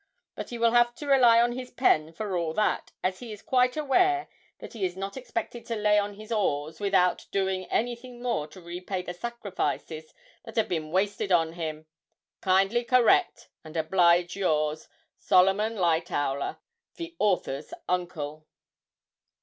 But he will have to rely on his pen for all that, as he is quite aware that he is not expected to lay on his oars, without doing anything more to repay the sacrifices that have been wasted on him. Kindly correct, and oblige yours, '"SOLOMON LIGHTOWLER (the author's uncle)."'